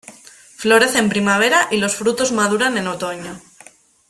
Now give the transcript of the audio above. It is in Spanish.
Florece en primavera y los frutos maduran en otoño.